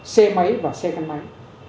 xe máy chuyên dụng v v